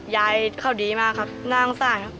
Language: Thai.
ยายเขาดีมากครับน่าสงสารครับ